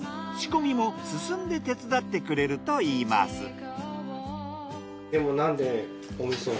仕込みも進んで手伝ってくれるといいます。